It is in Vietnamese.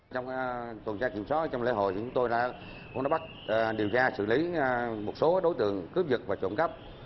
trong tuần trang kiểm soát trong lễ hội chúng tôi đã bắt điều tra xử lý một số đối tượng cướp giật và trộm cắp